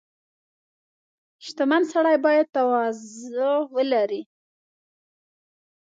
• شتمن سړی باید تواضع ولري.